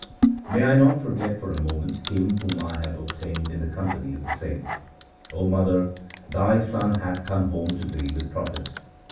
May I not forget for a moment Him whom I have obtained in the company of the saints ! 0 mother, thy son hath come home to thee with profit.